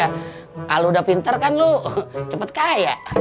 kalau udah pinter kan lo cepat kaya